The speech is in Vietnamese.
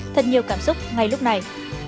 thật nhiều cảm xúc ngay lúc này